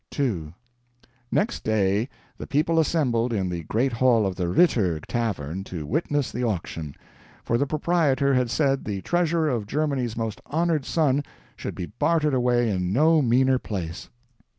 II Next day the people assembled in the great hall of the Ritter tavern, to witness the auction for the proprietor had said the treasure of Germany's most honored son should be bartered away in no meaner place.